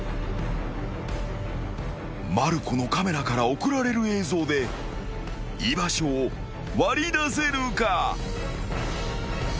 ［まる子のカメラから送られる映像で居場所を割り出せるか？］